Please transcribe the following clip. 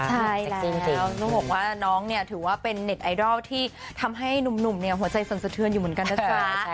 ใช่จริงแล้วต้องบอกว่าน้องเนี่ยถือว่าเป็นเน็ตไอดอลที่ทำให้หนุ่มเนี่ยหัวใจสนสะเทือนอยู่เหมือนกันนะจ๊ะ